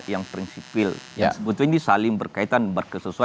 yang kedua adalah memaun kepada mahkamah untuk melaksanakan pegawai sebagai butuh